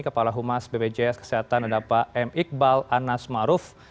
kepala humas bpjs kesehatan ada pak m iqbal anas maruf